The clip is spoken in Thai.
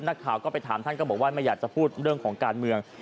นักข่าวก็ไปถามท่านก็บอกว่าไม่อยากจะพูดเรื่องของการเมือง